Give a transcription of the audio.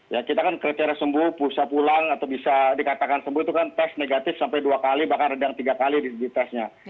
ya kita kan kriteria sembuh pulsa pulang atau bisa dikatakan sembuh itu kan tes negatif sampai dua kali bahkan rendang tiga kali ditesnya